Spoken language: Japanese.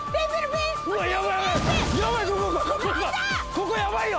ここ、やばいよ！